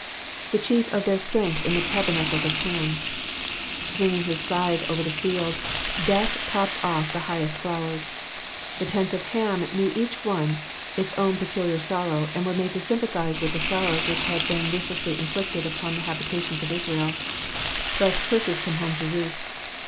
^''The chief of their strength in the tabernacles of Ilam.'*^ Swinging his scythe over the field, death topped off the highest flowers. The tents of Ham knew each one its own peculiar sorrow, and were made to sympathise with the sorrows which had been ruthlessly inflicted upon the habitations of Israel. Thus curses come home to roost.